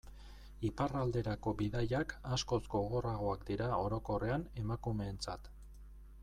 Iparralderako bidaiak askoz gogorragoak dira orokorrean emakumeentzat.